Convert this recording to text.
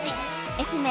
愛媛